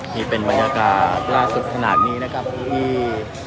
นี่เป็นบรรยากาศล่าสุดขนาดนี้นะครับที่